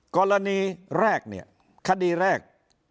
กรณีแรกคดีแรก